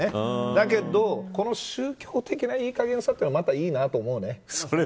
だけど、この宗教的ないいかげんさというのがまたいいな、と思うね。